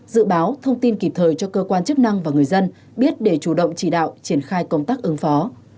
dự báo thông tin kịp thời cho cơ quan chức năng và người dân biết để chủ động chỉ đạo triển khai công tác ứng phó